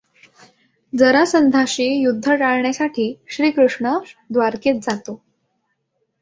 जरासंधाशी युध्द टाळण्यासाठी श्रीकृष्ण द्वारकेत जातो.